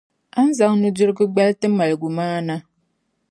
a ni zaŋ nudirigu gbali ti maligumaana.